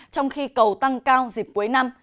trong khi cầu tăng cao dịp cuối năm